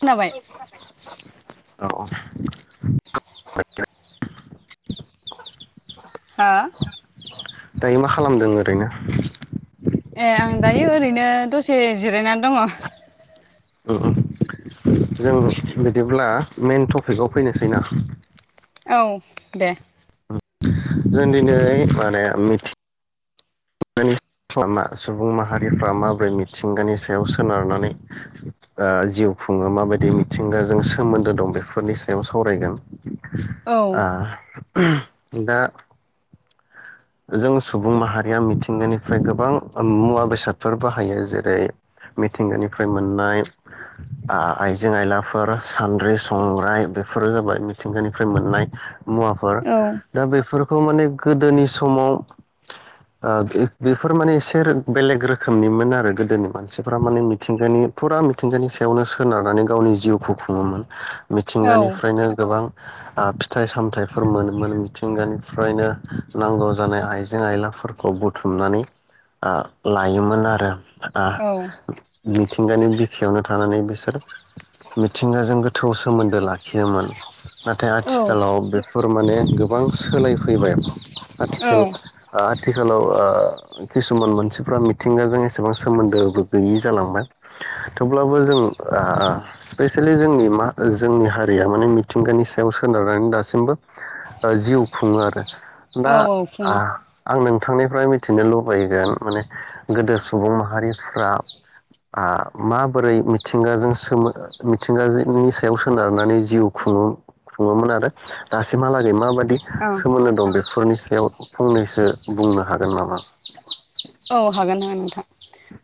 खोनाबाय औ। हा दायो मा खालामदों ओरैनो? ए आं दायो ओरैनो दसे जिरायनानै दङ। जों बिदिब्ला मेन टपिकआव फैनोसै ना। औ दे जों दिनै माने मिथि खालामा सुबुं माहारिफ्रा माबोरै मिथिंगानि सायाव सोनारनानै जिउ खुङो माबायदि मिथिंगाजों सोमोन्दो दं बेफोरनि सायाव सावरायगोन। औ आ। दा। जों सुबुं माहारिया मिथिंगानिफ्राय गोबां मुवा बेसादफोर बाहायो जेरै मिथिंगानिफ्राय मोननाय आइजें आयलाफोर सान्द्रि संग्राय बेफोरो जाबाय मिथिंगानिफ्राय मोननाय। मुवाफोर औ दा बेफोर। खौ माने गोदोनिस समाव ओ बेफोर माने एसे बेलेग रोखोमनिमोन आरो गोदोनि मानसिफोरा माने मिथिंगानि फुरा मिथिंगानि सायावनो सोनारनानै गावनि जिउखौ खुङोमोन। औ मिथिंगानिफ्रायनो गोबां ओ फिथाइ सामथाइफोर मोनोमोन मिथिंगानिफ्रायनो। नांगौ जानाय आइजें आइलाफोरखौ बुथुमनानै ओ लायोमोन आरो आ मिथिंगानि बिखा बेयावनो थानानै बिसोर मिथिंगाजों गोथौ सोमोन्दो लाखियोमोन। नाथाय औ आथिखालाव बेफोर माने गोबां सोलायफैबाय। औ आथिखाल ओ आथिखालाव ओ ओ- किसुमान मानसिफ्रा मिथिंगाजों एसेबां सोमोन्दोबो गैयि जालांबाय थेवब्लाबो जों ओ- आ स्पेसियेलि जोंनि मा जोंनि हारिया माने मिथिंगानि सायाव सोनारनानै दासिमबो जिउ खुङो आरो दा औ औ फुङाव आ- आं नोंथांनि नोंथांनिफ्राय मोनथिनो लुबैगोन माने गोदो सुबुं माहारिफ्रा आ- माबोरै मिथिंगाजों सोमो, मिथिंगानि सायाव सोनारनानै जिउ खुङो, खुङोमोन आरो दासिम हालागै माबादि औ सोमोन्दो दं बे फोरनि सायाव फंनैसो बुंनो हागोन नामा? औ हागोन हागोन नोंथां।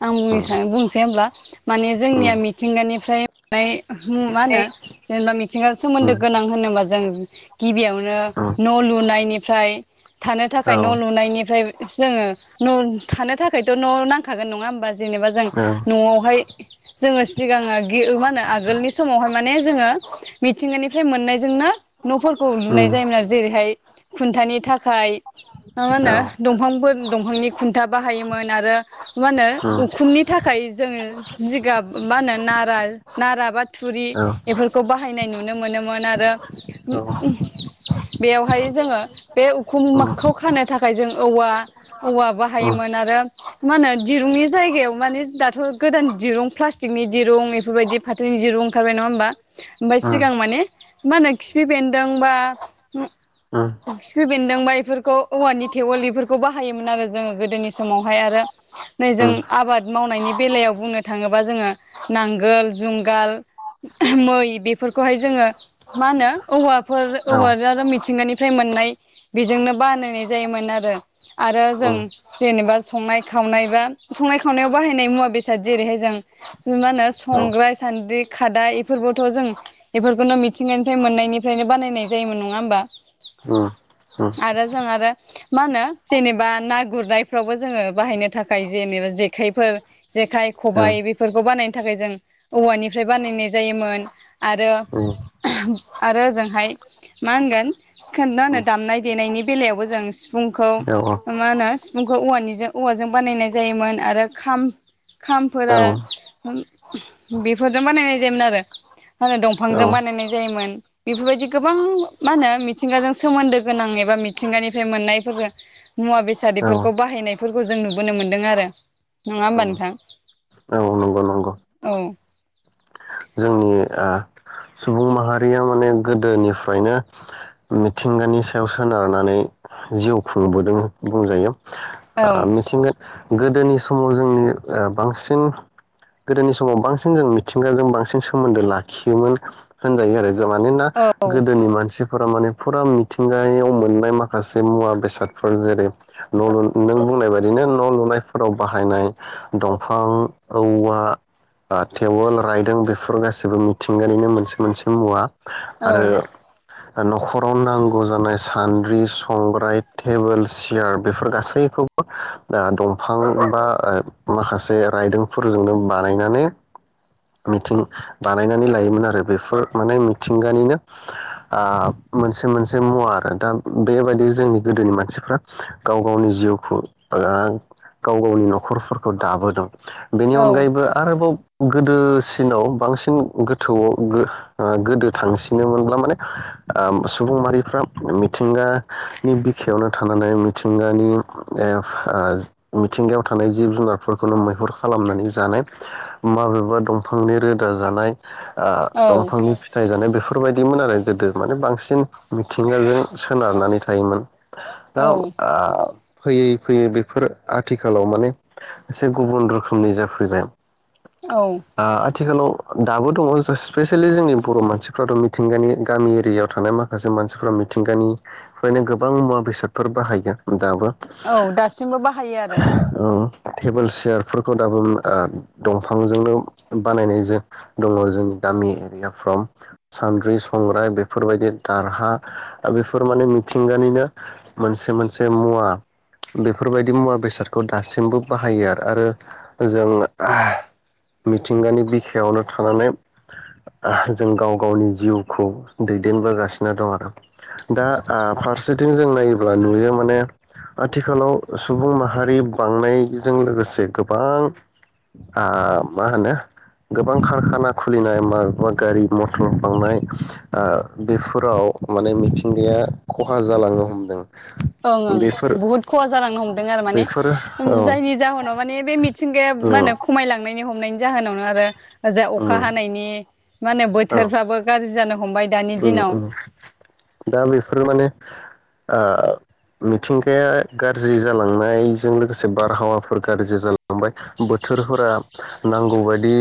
आं बुंनो उम सानो, बुंसै होमब्ला! माने जोंनिया मिथिंगानिफ्राय, फ्राय मा होनो जेनेबा मिथिंगाजों सोमोन्दो उम गोनां होनोबा जों गिबियावनो उम न' लुनायनि, ओमफ्राय, थानो उम थाखाय औ न' लुनायनिफ्राय, जोङो न' थानो थाखायथ' न' नांखागोन नङा होमबा, जेनेबा जों औ न'आवहाय जोङो सिगाङा मा होनो आगोलनि समावहाय माने बे जोङो मिथिंगानिफ्राय मोननायजोंनो न'फोरखौ लुनाय उम जायोमोन आरो जेरैहाय खुन्थानि थाखाय मा मा औ होनो दंफांफोर दंफांनि खुन् खुन्था बाहायोमोन आरो मा होनो उम उखुमनि थाखाय जोङो जिगाब मा होनो नारा, नारा बा थुरि औ बेफोरखौ बाहाय [unintelligible] नुनो मोनोमोन आरो उम बेयावहाय जोङो बे उम उखुमखौ खानो थाखाय जों औवा, औवा बाहाय उम औ उम औ उम औ उम औ थायोमोन आरो मा होनो दिरुंनि जायगायाव माने दाथ' गोदान दिरुं प्लास्टिकनि दिरुं बेफोरबायदि फाथोनि दिरुं ओंखारबाय नङा होमबा? ओमफ्राय औ सिगां माने मा होनो खिफि बेन्दों बा [unintelligible] बेनदोंबायफोरखौ औवानि थेवल बेफोरखौ बाहाय थायोमोन आरो जोङो। गोदोनि समावहाय आरो नै जों आबाद मावनायनि बेलायाव बुंनो थाङोबा जोङो नांगोल जंगाल मै बेफोरखौहाय जोङो मा होनो औवाफोर औवा आरो मिथिंगानि मोननाय बेजोंनो बानायनाय जायोमोन आरो आरो जों जेनेबा संनाय खावनाय बा संनाय खावनायाव बाहायनाय मुवा बेसाद जेरैहाय जों मा होनो संग्राय सान्द्रि खादा एफोरबोथ' जों एफोरखौनो मिथिंगानिफ्राय मोननायनिफ्रायनो बानायनाय जायोमोन नङा होमबा? ओम ओम। आरो जों आरो मा होनो जेनेबा ना गुरनायफ्रावबो जोङो बाहायनो थाखाय जेनेबा जेखायफोर जेखाइ खबाइ बेफोरखौ बानायनो थाखाय जों औवानिफ्राय बानायनाय जायोमोन आरो ओहो आरो ओजोंहाय मा होनगोन? खोन्था होनो दामनाय देनायनि बेलायावबो जों सिफुंखौ मा होनो फुंखौ औवानिजो औवाजों बानायनाय जायोमोन आरो खाम- खामफोरा बेफोरजों बानायनाय जायोमोन आरो मा होनो दंफांजों बानायनाय जायोमोन बेफोरबायदि गोबां मा होनो मिथिंगाजों सोमोन्दो गोनां एबा मिथिंगानिफ्राय मोननायफोरबो मुवा औ बेसादिफोर खौ बाहायनायफोरखौ जों नुबोनो मोन्दों आरो नङा औ होमबा नोंथां? औ नंगौ नंगौ औ जोंनि ओ सुबुं माहारिया माने गोदोनिफ्रायनो मिथिंगानि सायाव सोनारनानै जिउ खुंबोदों बुंजायो। ओ औ मिथिंगोन गोदोनि समाव जोंनि ओ बांसिन गोदोनि समाव बांसिन जों मिथिंगाजों बांसिन सोमोन्दो लाखियोमोन। होनजायो आरो। मानोना औ औ गोदोनि मानसिफोरा माने फोरा मिथिंगायाव मोननाय माखासे मुवा बेसादफोर जेरै नों बुंनाय बाददिनो न' लुनायफोराव बाहायनाय दंफां औवा टेवल रायदों बेफोर गासिबो मिथिंगायानिनो मोन मोनसे मोनसे मुवा औ आरो नखराव नांगौ जानाय सान्द्रि संग्राय टेबोल सियार बेफोर गासैखौबो दा दंफां बा ओ माखासे रायदोंफोरजोंनो बानायनानै मिथिं बानायनानै लायोमोन आरो। बेफोर माने मिथिंगानिनो ओ मोनसे मोनसे मुवा आरो दा बेबायदि जोंनि गोदोनि मानसिफ्रा गाव गावनि जिउखौ ओ गाव गावनि नखरफोरखौ दाबोदों। बेनि अनगायैबो आरोबाव गोदोसिनाव बांसिन गोथौआव गो-गोदो थांसिनोमोनब्ला माने ओ सुबुं माहारिफ्रा मिथिंगानि बिखायावनो थानानै मिथिंगानि ओ आ मिथिंगायाव थानाय जिब जुनारफोरखौनो मैहुर खालामनानै जानाय माबेबा दंफांनि रोदा जानाय औ दंफांनि फिथाइ जानाय बेफोरबायदिमोन आरो गोदो माने बांसिन मिथिंगाजों सोनारनानै थायोमोन दा औ फैयै फैयै बेफोर आथिखालाव माने एसे गुबुन रोखोमनि जाफैबाय। औ आ आथिखालाव दाबो दङ जास स्‍पेशलि जोंनि बर' मानसिफ्राथ' मिथिंगानि गामि एरियायाव थानाय माखासे मानसिफ्रा मिथिंगानिफ्रायनो गोबां मुवा बेसादफोर बाहायगोन उम। गाब' ह औ दासिमबो बाहायो आरो औ। टेबोल चयारफोरखौ दाबोनो आ दंफांजोंनो बानायनाय जों दङ जोंनि गामि एरिया फ्रम सान्द्रि संग्राय बेफोरबायदि दारहा बेफोर माने मिथिंगानिनो मोनसे मोनसे मुवा बेफोरबायदि मुवा बेसादखौ दासिमबो बाहायो आरो आरो जों आ मिथिंगानि बिखायावनो थानानै आ जों गाव गावनि जिउखौ दैदेनबोगासिनो दं आरो दा आ फारसेथिं जों नायोब्ला नुयो माने आथिखालाव सुबुं माहारि बांनायजों लोगोसे गोबां आ मा होनो गोबां खारखाना खुलिनाय मा गारि मथर बांनाय आ बेफोराव माने मिथिंगाया खहा जालांनो हमदों। ओं ओं बेफोर बुहुद खहा जालांनो हमदों आरो माने बेफोर औ औ जायनि जाहोनाव माने बे मिथिंगाया मा उम होनो खमायलांनायनि हम हमनायनि जाहोनावनो आरो जा अखा औ हानायनि मानो बोथोरफ्राबो गाजि जानो हमबाय। दानि औ दिनाव औ दा बेफोर माने आ मिथिंगाया गाज्रि जालांनायजों लोगोसे बारहावाफोर गाज्रि जालांबाय बोथोरफोरा नांगौ बायदि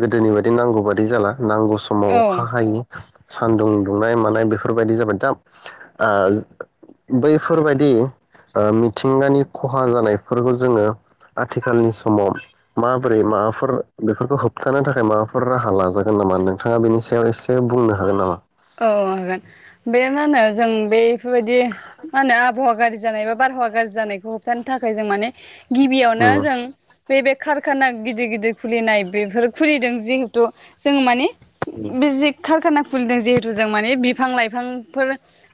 गोदोनि बायदि नांगौ बायदि जाला। नांगौ समाव औ अखा हायो। सान्दुं दुंनाय मानाय बेफोरबायदि जाबाय दा आ बैफोरबायदि आ मिथिंगानि खहा जानायफोरबो जोङो आथिखालनि समाव माबोरै माबाफोर बेफोरखौ होबथानो थाखाय माबाफोर राहा लाजागोन नामा नोंथाङा बेनि सायाव एसे बुंना हागोन नामा? ओ हागोन बे मा होनो जों बे बादि मा होनो आबहावा गाज्रि जानाय बा बारहावा गाज्रि जानायखौ होबथानो थाखाय जों माने गिबियावनो उम जों बे बे कारखाना गिदिर गिदिर खुलिनाय बेफोर खुलिदों जिहेथु जों माने उम बिजि खारखाना खुलदो जे थुजों माने बिफां लाइफांफोर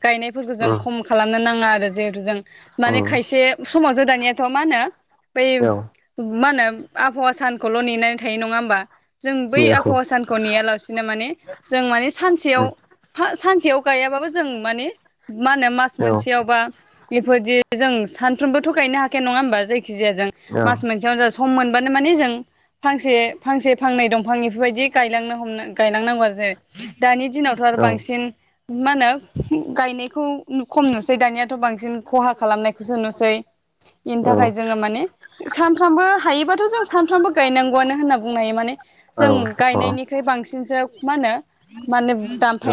गायनायफोरखौ जों खम खालामनो नां [unintelligible] आरो जिहेतु जों उम औ उम माने खायसे समाज गोदानियाथ' मा होनो बे औ मा होनो आबहावा सानखौल' नेनानै थायो नङा होमबा। जों बै औ आबहावा सानखौ नेयालासिनो माने जों माने सानसेयाव सानसेयाव गायाबाबो जों माने मा होनो मास मोनसेयावबा बेफोरदि जों सानफ्रोमबो थ' गायनो हाखाया नङा होमबा जाय जे जों मास मोनसेयावनो स सम मोनबानो माने जों फांसे फांसे फांनै दंफां बेफोरबायदि गायलांनो हम गायलांनांगौ आरो जों दानि दिनाव। आरो औ बांसिन मा होनो गायनायखौ खम नुसै दानियाथ' बांसिन खहा खालामनाय सो नुसै बेनि थाखाय जोङो माने सानफ्रामबो हायोबाथ' जों सानफ्रामबो गायनांगौआनो होनना बुंनो हायो माने औ जों गायनायनिख्रुइ बांसिनसो मा होनो माने।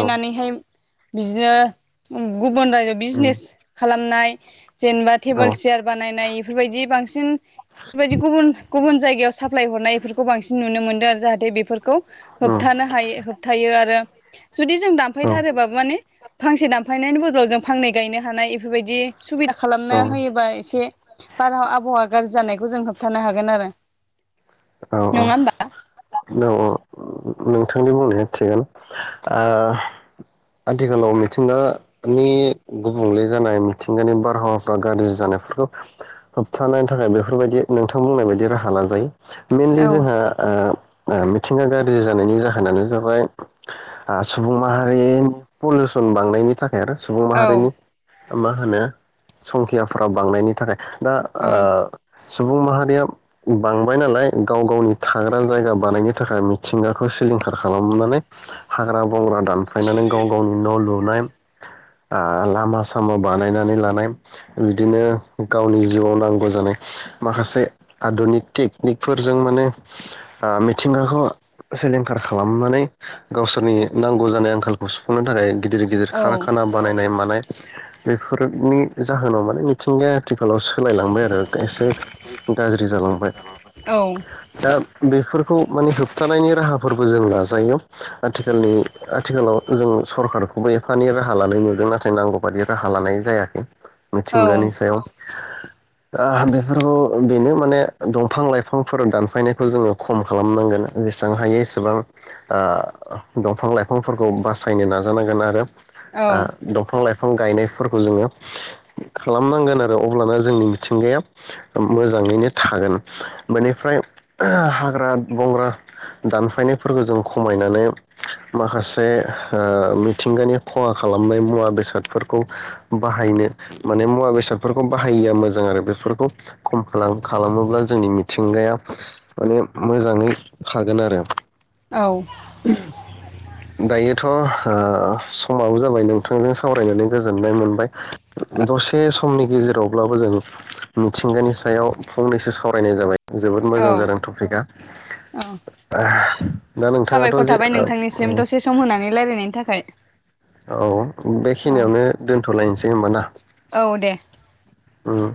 औ बिदिनो [unintelligible] गुबुन रायजोआव उम बिजनेस खालामनाय। जेनेबा औ टेबोल चयार बानायनाय बेफोरबायदि। बांसिन बिफोरबायदि गुबुन गुबुन जायगायाव साफ सोलाय हरनाय बेफोरखौ बांसिन नुनो मोनो। जाहाथे बेफोरखौ खौ उम होबथानो हायो होबथायो आरो जुदि जों औ दानफैथारोब्लाबो माने। फांसे दामफायनायनि बदलाव जों फांनै गायनो हानाय बेफोरबायदि। सुबिदा खालामनो होयोबा एसे। बार आबहावा गाज्रि जानायखौ जों होबथानो हागोन आरो। औ नङा होमबा? औ औ नोंथांनि बुंनाया थिगानो ओ आथिखालाव मिथिंगानि गुबुंले जानाय मिथिंगानि बारहावाफ्रा गाज्रि जानायफोरखौ होबथानायनि थाखाय बेफोरबायदि नोंथां बुंनाय बायदि राहा लाजायो। मेनलि औ जोंहा ओ मिथिंगा गाज्रि जानायनि जाहोनानो जाबाय सुबुं माहारिनि पलिउसन बांनायनि थाखाय। आरो सुबुं औ माहारिनि [unintelligible] मा होनो संखियाफोरा बांनायनि थाखाय। दा ओ। सुबुं माहारिया बांबाय नालाय गाव गावनि थाग्रा जायगा बानायनो थाखाय मिथिंगाखौ सिलिंखार खालामनानै हाग्रा। बंग्रा दानफ्लायनानै गाव गावनि न' लुनाय। ओ लामा सामा बानायनानै लानाय बिदिनो गावनि जिउआव नांगौ जानाय माखासे आधुनिक टेकनिकफोरजों माने। ओ मिथिंगाखौ सिलिंखार खालामनानै गावसोरनि नांगौ जानाय आंखालखौ सुफुंनो थाखाय गिदिर गिदिर ओं औ खारखाना बानायनाय मानाय। बेफोरनि जाहोनाव माने मिथिंगाया आथिखालाव सोलायलांबाय आरो खायसे [unintelligible] औ दा बेफोरखौ माने होबथानायनि राहाफोरबो जों लाजायो आथिखालनि आथिखालाव जों सरखारखौबो एफाएनै राहा लानाय नुदों नाथाय नांगौ बादि राहा लानाय जायाखै। औ मिथिंगानि सायाव ओ बेफोरखौ बेनो माने दंफां-लाइफांफोर दानफायनो बखौ जोङो खम खालामनांगोन जेसेबां हायो एसेबां ओह दंफां लाइफांफोरखौ बासायनो नाजानांगोन आरो आ औ दंफां लाय बिफां गायनायफोरखौ जोङो खालामनांगोन आरो अब्लानो जोंनि मिथिंगाया मोजाङैनो थागोन। बेनिफ्राय हाग्रा बंग्रा दानफायनायफोरखौ जों खमायनानै माखासे ओ मिथिंगानि खहा खालामनाय मुवा बेसादफोरखौ बाहायनो माने मुवा बेसादफोरखौ बाहायिया मोजां आरो बेफोरखौ खम खालामोब्ला जोंनि मिथिंगाया माने मोजाङै हागोन आरो। औ [inaudible] दायोथ ओ समाबो जाबाय नोंथांजों सावरायनानै गोजोननाय मोनबाय दसे समनि गेजेरावब्लाबो जों मिथिंगानि सायाव फंनैसो सावरायनाय जाबाय। जोबोद औ मोजां जादों टपिकआ औ आहह दा नोंथाङाथ' जे सिम दसे सम होनानै रायलायनायनि थाखाय औ बेखिनियावनो औ दोनथलायनोसै होमबाना औ दे औ